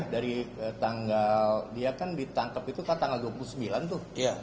dari tanggal dia kan ditangkap itu kan tanggal dua puluh sembilan tuh